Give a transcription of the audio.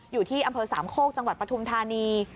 อยู่ที่อำเภอสามโคกจังหวัดปฐุมธานี